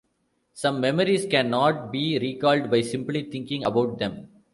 Some memories can not be recalled by simply thinking about them.